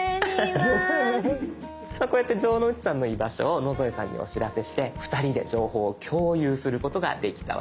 こうやって城之内さんの居場所を野添さんにお知らせして２人で情報を共有することができたわけです。